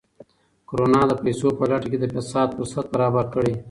کرونا د پیسو په لټه کې د فساد فرصت برابر کړی.